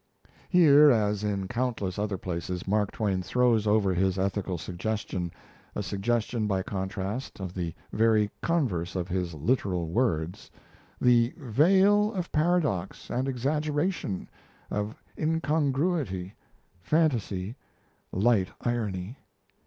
Here, as in countless other places, Mark Twain throws over his ethical suggestion a suggestion, by contrast, of the very converse of his literal words the veil of paradox and exaggeration, of incongruity, fantasy, light irony.